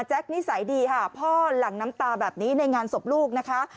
คนิสัยดีค่ะพ่อหลั่งน้ำตาแบบนี้ในงานศพลูกนะคะ